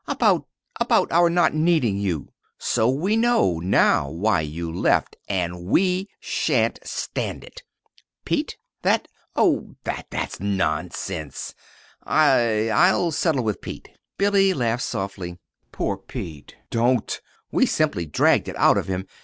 "About about our not needing you. So we know, now, why you left; and we sha'n't stand it." "Pete? That? Oh, that that's nonsense I I'll settle with Pete." Billy laughed softly. "Poor Pete! Don't. We simply dragged it out of him.